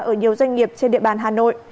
ở nhiều doanh nghiệp trên địa bàn hà nội